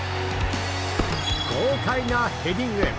豪快なヘディング。